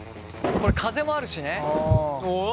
これ風もあるしね。